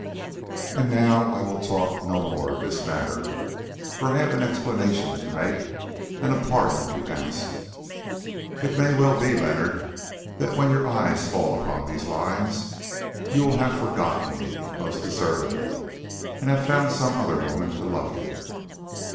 "And now I will talk no more of this matter, for I have an explanation to make and a pardon to ask. "It may well be, Leonard, that when your eyes fall upon these lines, you will have forgotten me—most deservedly—and have found some other woman to love you.